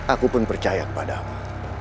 aku pun percaya kepadamu